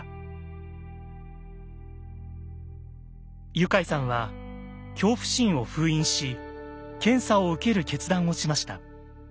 ユカイさんは恐怖心を封印し検査を受ける決断をしました。